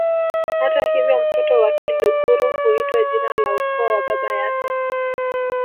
Hata hivyo mtoto wa Kiluguru huitwa jina la ukoo wa baba yake